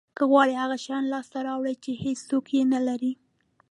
که غواړی هغه شیان لاسته راوړی چې هیڅوک یې نه لري